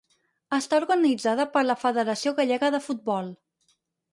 Està organitzada per la Federació Gallega de Futbol.